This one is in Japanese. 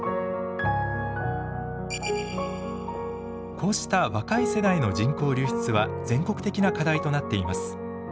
こうした若い世代の人口流出は全国的な課題となっています。